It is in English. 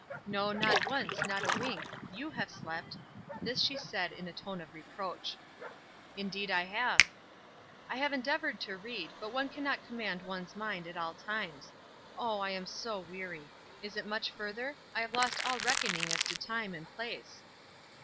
"No, not once; not a wink. You have slept." This she said in a tone of reproach. "Indeed I have." "I have endeavoured to read, but one cannot command one's mind at all times. Oh, I am so weary. Is it much further? I have lost all reckoning as to time and place."